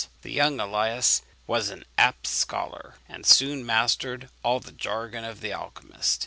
The young Aluys was an apt scholar, and soon mastered all the jargon of the alchymists.